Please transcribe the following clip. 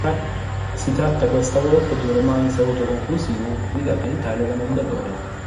Si tratta questa volta di un romanzo autoconclusivo, pubblicato in Italia da Mondadori.